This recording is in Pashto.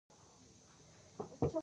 ځوانانو ته پکار ده چې، ادب غني کړي.